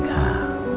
apa kabar kak